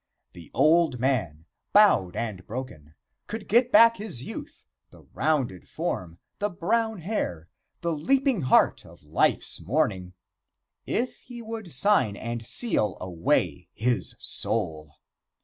The old man, bowed and broken, could get back his youth the rounded form, the brown hair, the leaping heart of life's morning if he would sign and seal away his soul.